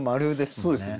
そうですね。